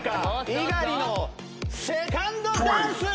猪狩のセカンドダンス！